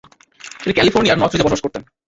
তিনি ক্যালিফোর্নিয়ার নর্থরিজে বসবাস করতেন।